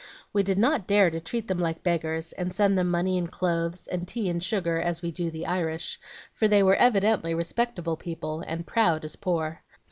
We did not dare to treat them like beggars, and send them money and clothes, and tea and sugar, as we do the Irish, for they were evidently respectable people, and proud as poor.